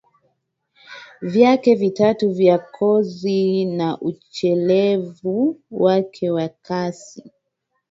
vyake vitatu vya kozi na uchelevu wake wa kasi